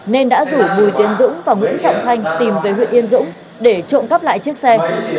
nên đã rủ bùi tiến dũng và nguyễn trọng thanh tìm về huyện yên dũng để trộm cắp lại chiếc xe